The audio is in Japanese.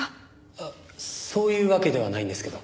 あっそういうわけではないんですけど。